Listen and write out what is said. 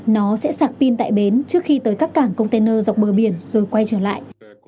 nó sẽ sạc pin tại bến trước khi tới các cảng container dọc bờ biển rồi quay trở lại